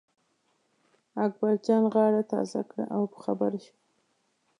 اکبرجان غاړه تازه کړه او په خبرو شو.